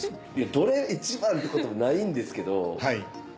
「どれ一番」ってこともないんですけど。